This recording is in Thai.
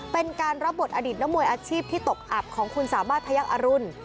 เป็นการรับบทอดิตนักมวยอาชีพที่ตกอับของคุณสามารถพยักษ์อรุณ